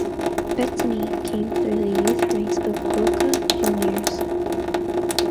Bettini came through the youth ranks of Boca Juniors.